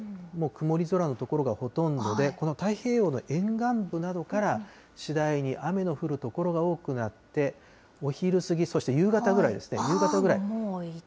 もう曇り空の所がほとんどで、この太平洋の沿岸部などから、次第に雨の降る所が多くなって、お昼過ぎ、そして夕方ぐらいですね、夕方ぐらい。